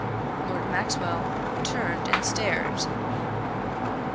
Lord Maxwell turned and stared.